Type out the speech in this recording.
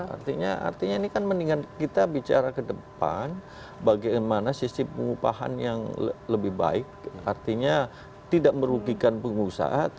artinya artinya ini kan mendingan kita bicara ke depan bagaimana sisi pengupahan yang lebih baik artinya tidak merugikan pengusaha